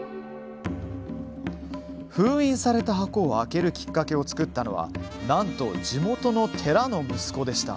封印された箱を開けるきっかけを作ったのはなんと地元の寺の息子でした。